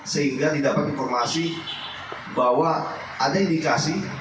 sehingga didapat informasi bahwa ada indikasi